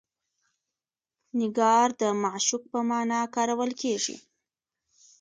نګار د معشوق په معنی کارول کیږي.